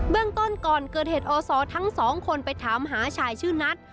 เรื่องต้นก่อนเกิดเหตุอศทั้งสองคนไปถามหาชายชื่อนัท